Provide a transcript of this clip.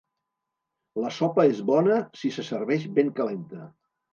La sopa és bona si se serveix ben calenta.